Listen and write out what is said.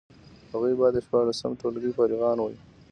هغوی باید د شپاړسم ټولګي فارغان وي.